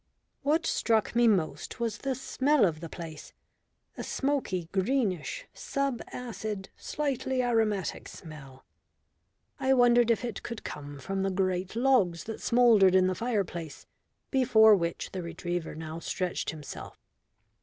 What struck me most was the smell of the place a smoky, greenish, sub acid, slightly aromatic smell. I wondered if it could come from the great logs that smouldered in the fireplace, before which the retriever now stretched himself.